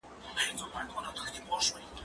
زه اوږده وخت سبا ته فکر کوم؟!